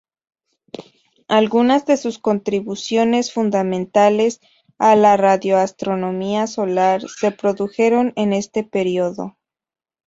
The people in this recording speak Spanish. Algunas de sus contribuciones fundamentales a la radioastronomía solar se produjeron en este período.